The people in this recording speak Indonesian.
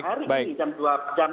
oke baik baik